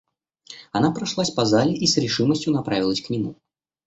Она прошлась по зале и с решимостью направилась к нему.